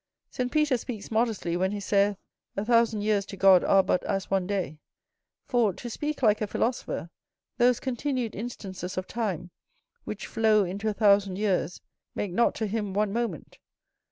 St Peter speaks modestly, when he saith, "a thousand years to God are but as one day;" for, to speak like a philosopher, those continued instances of time, which flow into a thousand years, make not to him one moment.